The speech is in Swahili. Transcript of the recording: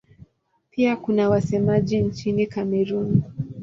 Pia kuna wasemaji nchini Kamerun.